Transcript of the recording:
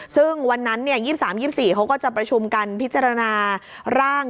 ซึ่งวันนั้น๒๓๒๔เขาก็จะประชุมกันพิจารณาร่าง